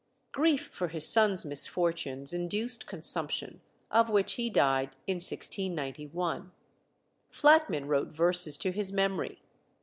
Grief for his son's misfortunes induced consumption, of which he died in 1691. Flatman wrote verses to his memory.